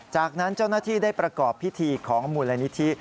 จากนั้นเจ้าหน้าที่ได้ประกอบพิธีของมูลนิธิ